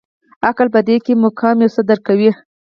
عقل په دې مقام کې یو څه درک کوي.